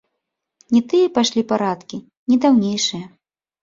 Не тыя пайшлі парадкі, не даўнейшыя.